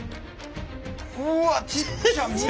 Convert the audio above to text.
うわっちっちゃ！